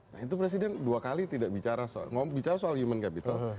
nah itu presiden dua kali tidak bicara soal human capital